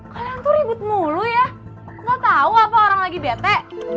kalian tuh ribut mulu ya nggak tahu apa orang lagi bete